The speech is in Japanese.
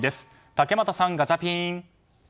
竹俣さん、ガチャピン！